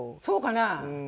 そうかな？